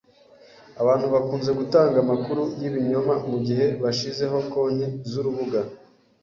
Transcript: Abantu bakunze gutanga amakuru yibinyoma mugihe bashizeho konti zurubuga.